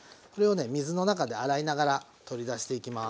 中で洗いながら取り出していきます。